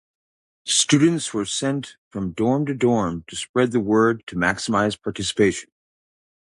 Students were sent from dorm to dorm to spread the word to maximize participation.